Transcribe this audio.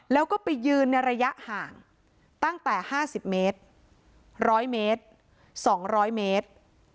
แล้วก็ไปยืนในระยะห่างตั้งแต่ห้าสิบเมตรร้อยเมตรสองร้อยเมตร